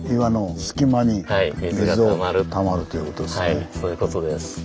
はいそういうことです。